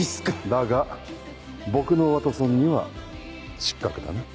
だが僕のワトソンには失格だな。